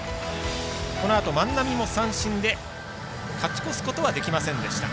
このあと万波も三振で勝ち越すことはできませんでした。